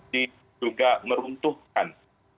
di juga meruntuhkan